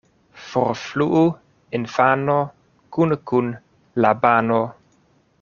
Forfluu infano kune kun la bano.